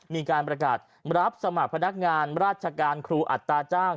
มีการประกาศรับสมัครพนักงานราชการครูอัตราจ้าง